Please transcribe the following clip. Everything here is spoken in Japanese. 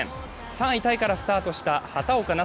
３位タイからスタートした畑岡奈